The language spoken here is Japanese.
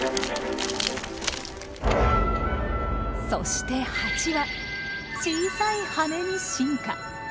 そしてハチは小さい羽に進化。